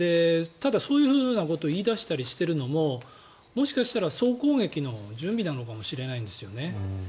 ただ、そういうことを言い出したりしているのももしかしたら総攻撃の準備なのかもしれないんですね。